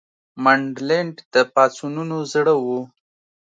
منډلینډ د پاڅونونو زړه وو.